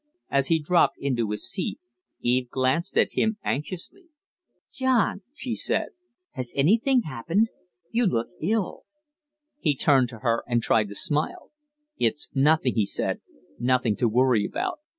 As he dropped into his seat, Eve glanced at him anxiously. "John," she said, "has anything happened? You look ill." He turned to her and tried to smile. "It's nothing," he said. "Nothing to worry about."